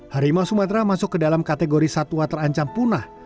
harimau sumatera masuk ke dalam kategori satwa terancam punah